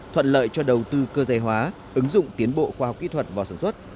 thuận lợi cho đầu tư cơ giới hóa ứng dụng tiến bộ khoa học kỹ thuật vào sản xuất